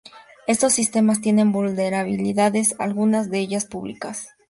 Estos sistemas tienen vulnerabilidades, algunas de ellas públicas.